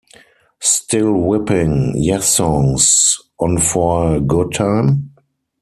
Still whipping "Yessongs" on for a good time?